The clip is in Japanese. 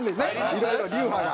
いろいろ流派が。